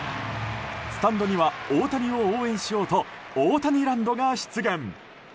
スタンドには大谷を応援しようとオオタニランドが出現。